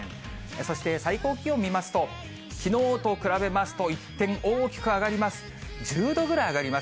そして、最高気温見ますと、きのうと比べますと、一転、大きく上がります。